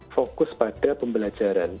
fokus pada pembelajaran